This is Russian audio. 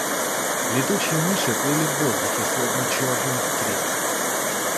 Летучие мыши плыли в воздухе, словно черные стрелы.